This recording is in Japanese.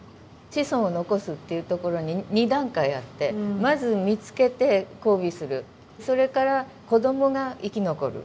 子孫を残すっていうところに２段階あってまず見つけて交尾するそれから子どもが生き残る。